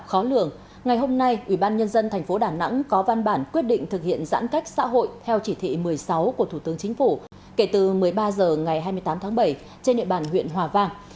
khó lường ngày hôm nay ủy ban nhân dân tp đà nẵng có văn bản quyết định thực hiện giãn cách xã hội theo chỉ thị một mươi sáu của thủ tướng chính phủ kể từ một mươi ba h ngày hai mươi tám tháng bảy trên địa bàn huyện hòa vang